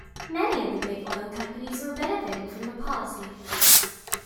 Many of the big oil companies were benefiting from the policy.